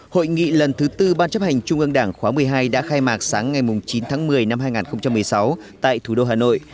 hội nghị lần thứ tư ban chấp hành trung ương đảng khóa một mươi hai đã khai mạc sáng ngày chín tháng một mươi năm hai nghìn một mươi sáu tại thủ đô hà nội